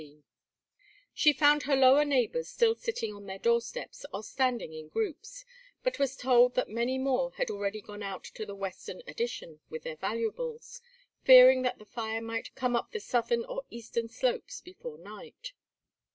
XIII She found her lower neighbors still sitting on their doorsteps or standing in groups, but was told that many more had already gone out to the Western Addition with their valuables, fearing that the fire might come up the southern or eastern slopes before night.